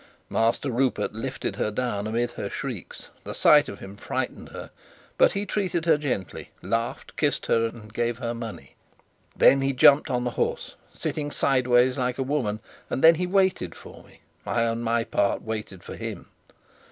Master Rupert lifted her down amid her shrieks the sight of him frightened her; but he treated her gently, laughed, kissed her, and gave her money. Then he jumped on the horse, sitting sideways like a woman; and then he waited for me. I, on my part, waited for him.